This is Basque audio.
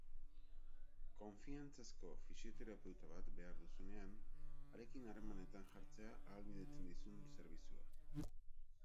Konfiantzazko fisioterapeuta bat behar duzunean, harekin harremanetan jartzea ahalbidetzen dizun zerbitzua.